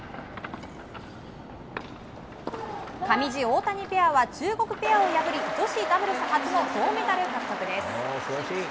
上地、大谷ペアは中国ペアを破り女子ダブルス初の銅メダル獲得です。